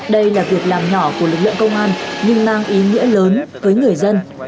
đây là việc làm nhỏ của lực lượng công an nhưng mang ý nghĩa lớn với người dân